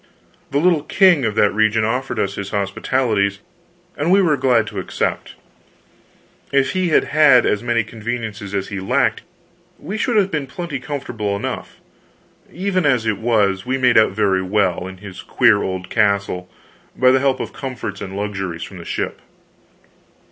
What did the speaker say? The little king of that region offered us his hospitalities, and we were glad to accept. If he had had as many conveniences as he lacked, we should have been plenty comfortable enough; even as it was, we made out very well, in his queer old castle, by the help of comforts and luxuries from the ship.